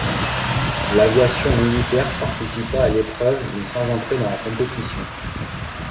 L’aviation militaire participa à l’épreuve mais sans entrer dans la compétition.